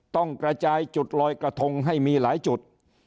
ต้องกระจายจุดลอยกระทงให้มีหลายจุด